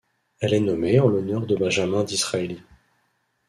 Elle est nommée en l'honneur de Benjamin Disraeli.